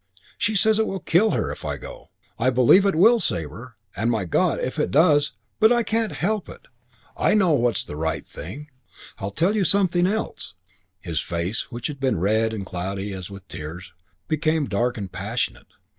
She says it will kill her if I go. I believe it will, Sabre. And my God, if it does but I can't help it. I know what's the right thing. I'll tell you something else." His face, which had been red and cloudy as with tears, became dark and passionate.